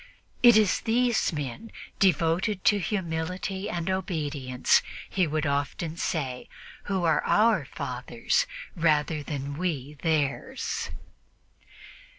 "It is these men, devoted to humility and obedience," he would often say, "who are our fathers, rather than we theirs."